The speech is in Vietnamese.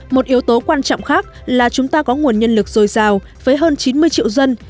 một yếu tố quan trọng khác là chúng ta có nguồn nhân lực dồi dào với hơn chín mươi triệu dân